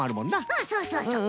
うんそうそうそう。